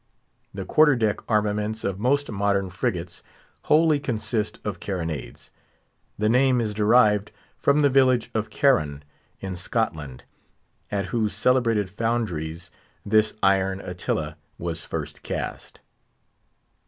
The quarter deck armaments of most modern frigates wholly consist of carronades. The name is derived from the village of Carron, in Scotland, at whose celebrated founderies this iron Attila was first cast.